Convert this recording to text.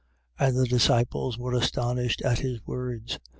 10:24. And the disciples were astonished at his words.